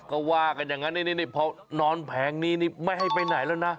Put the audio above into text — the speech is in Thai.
ก็ว่ากันอย่างนั้นพอนอนแผงนี้นี่ไม่ให้ไปไหนแล้วนะ